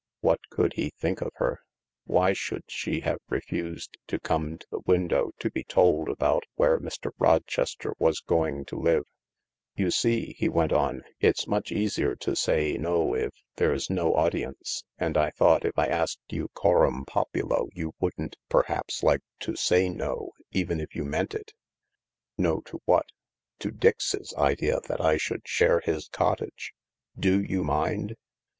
What would he think of P 226 THE LARK her ? Why should she have refused to come to the window to be told about where Mr. Rochester was going to live ? "You see/' he went on, "it's much easier to say no if there's no audience. And I thought if I asked you coram poptdo you wouldn't perhaps like to say no, even if you meant it." " No to what ?" "To Dix's idea that I should share his cottage. Do you mind